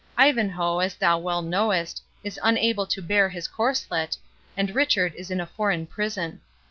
Ivanhoe, as thou well knowest, is unable to bear his corslet, and Richard is in a foreign prison.